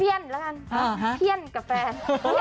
เพี้ยนแล้วกันเพี้ยนกับแฟน